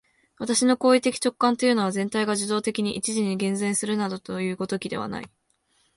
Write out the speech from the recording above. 私の行為的直観というのは、全体が受働的に一時に現前するなどいう如きことではない。